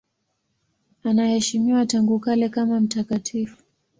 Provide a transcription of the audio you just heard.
Anaheshimiwa tangu kale kama mtakatifu.